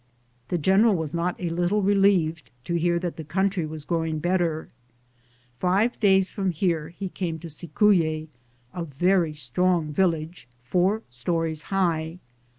The general was not a little relieved to hear that the country was growing better. Five days from here he came to Cicuye,* a very strong village four stories high.